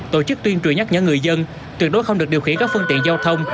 tổ chức tuyên truyền nhắc nhở người dân tuyệt đối không được điều khiển các phương tiện giao thông